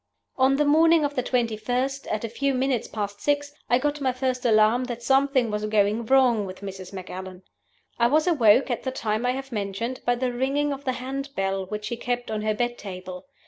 "On the morning of the 21st, at a few minutes past six, I got my first alarm that something was going wrong with Mrs. Macallan. "I was awoke at the time I have mentioned by the ringing of the hand bell which she kept on her bed table.